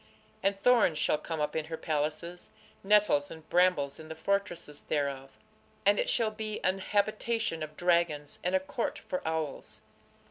And thorns shall come up in her palaces, nettles and brambles in the fortresses thereof: and it shall be an habitation of dragons, and a court for owls.